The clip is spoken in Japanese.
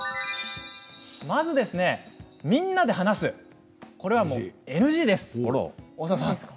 まず、みんなで話すこれはもうＮＧです。